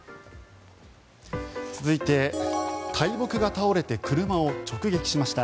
続いて、大木が倒れて車を直撃しました。